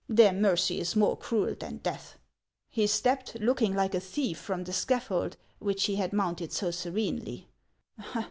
Their mercy is more cruel than death.' He stepped, looking like a thief, from the scaffold which he had mounted so serenely.